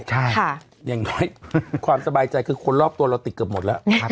ใช่อย่างน้อยความสบายใจคือคนรอบตัวเราติดเกือบหมดแล้ว